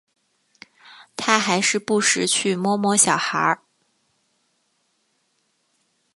他还是不时去摸摸小孩